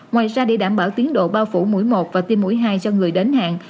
ngoài ra để đảm bảo tiến độ bao phủ mũi một và tiêm mũi hai cho người đến hạn